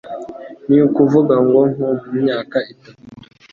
Ni ukuvuga ngo nko mu myaka itatu